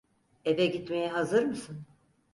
Eve gitmeye hazır mısın?